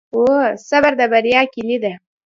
صبر د بریا کلي ده.